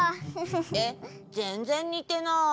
えぜんぜんにてない。